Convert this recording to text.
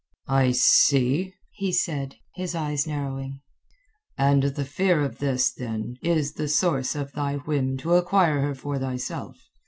"I see," he said, his eyes narrowing. "And the fear of this, then, is the source of thy whim to acquire her for thyself.